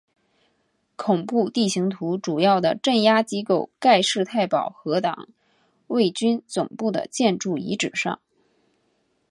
恐怖地形图主要的镇压机构盖世太保和党卫军总部的建筑遗址上。